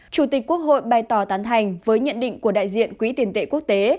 chủ tịch quốc hội bày tỏ tán thành với nhận định của đại diện quỹ tiền tệ quốc tế